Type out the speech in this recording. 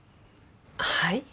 はい？